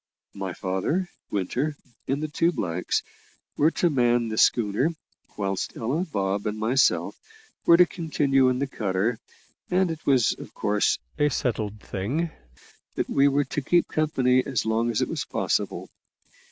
My father, Winter, and the two blacks, were to man the schooner, whilst Ella, Bob, and myself, were to continue in the cutter, and it was, of course, a settled thing that we were to keep company as long as it was possible.